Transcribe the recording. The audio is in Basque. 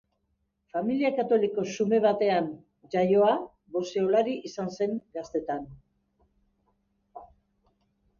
Familia katoliko xume batean jaioa, boxeolari izan zen gaztetan.